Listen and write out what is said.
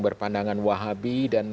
berpandangan wahabi dan